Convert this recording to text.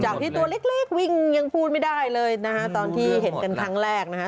ที่ตัวเล็กวิ่งยังพูดไม่ได้เลยนะฮะตอนที่เห็นกันครั้งแรกนะฮะ